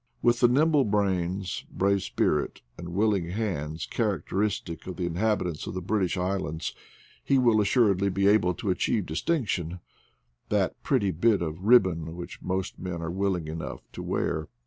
With the nimble brains, brave spirit, and willing hands characteristic of the inhabitants of the British Islands, he will assuredly be able to achieve distinction — that pretty bit of rib bon which most men are willing enough to wear.